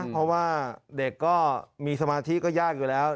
เพราะว่าเด็กก็มีสมาธิก็ยากอยู่แล้ว